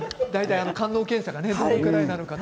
官能検査がどれぐらいになるかね。